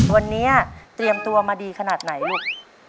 วันนี้เตรียมตัวมาดีขนาดไหนลูก